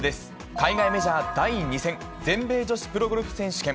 海外メジャー第２戦、全米女子プロゴルフ選手権。